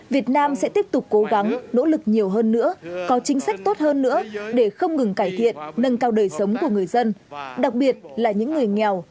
việt nam sẽ tiếp tục cố gắng nỗ lực nhiều hơn nữa có chính sách tốt hơn nữa để không ngừng cải thiện nâng cao đời sống của người dân đặc biệt là những người nghèo